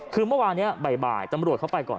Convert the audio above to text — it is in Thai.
คือเมื่อวานนี้บ่ายตำรวจเข้าไปก่อน